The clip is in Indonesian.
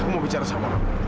aku mau bicara sama